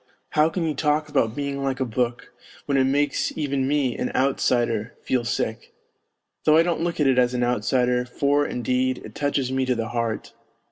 How can you talk about being like a book, when it makes even me, an outsider, feel sick ? Though I don't look at it as an outsider, for, indeed, it touches me to the heart.